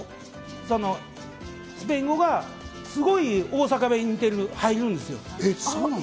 スペイン語がすごい大阪弁に似てるんで、入るんですよ。